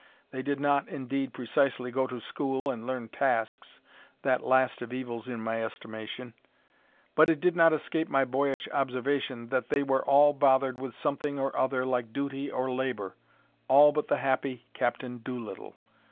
They did not, indeed, precisely go to school and learn tasks, that last of evils in my estimation; but it did not escape my boyish observation, that they were all bothered with something or other like duty or labour all but the happy Captain Doolittle.